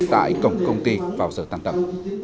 tại cổng công ty vào giờ tăng tầm